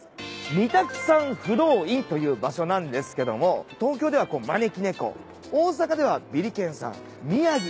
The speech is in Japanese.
三瀧山不動院という場所なんですけども東京では招き猫大阪ではビリケンさん宮城